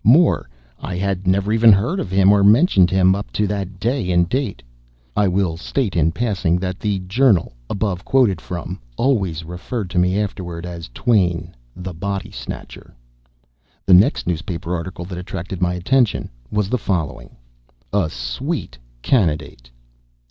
More: I had never even heard of him or mentioned him up to that day and date. [I will state, in passing, that the journal above quoted from always referred to me afterward as "Twain, the Body Snatcher."] The next newspaper article that attracted my attention was the following: A SWEET CANDIDATE.